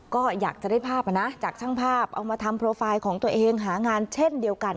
ก็อยากจะได้ภาพจากช่างภาพเอามาทำโปรไฟล์ของตัวเองหางานเช่นเดียวกัน